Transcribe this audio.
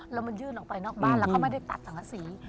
แล้วมันยื่นออกไปนอกบ้านแล้วเขาไม่ได้ตัดสังกษี